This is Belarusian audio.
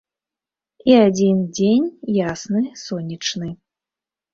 І адзін дзень ясны сонечны.